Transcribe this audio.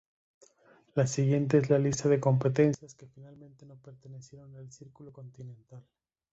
La siguiente es la lista de competencias que finalmente no pertenecieron al Circuito Continental.